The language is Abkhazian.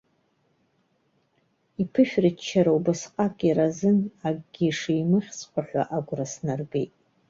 Иԥышәырччара убасҟак иразын, акгьы шимыхьҵәҟьо ҳәа агәра снаргеит.